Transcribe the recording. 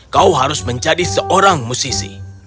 kau harus menjadi seorang musisi